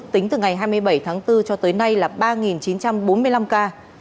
tính từ ngày hai mươi bảy tháng bốn cho tới nay là ba chín trăm bốn mươi năm ca